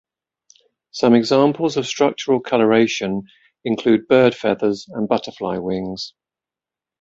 Some examples of structural coloration include bird feathers and butterfly wings.